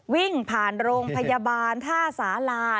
วิ่งผ่านโรงพยาบาลท่าสารา